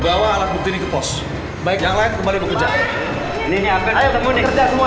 bawa alat bukti ke pos baik yang lain kembali bekerja ini